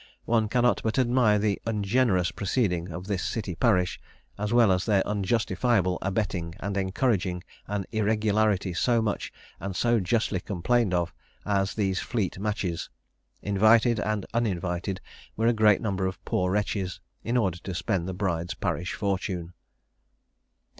One cannot but admire the ungenerous proceeding of this city parish, as well as their unjustifiable abetting and encouraging an irregularity so much and so justly complained of, as these Fleet matches. Invited and uninvited were a great number of poor wretches, in order to spend the bride's parish fortune."